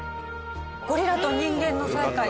ゴリラと人間の再会。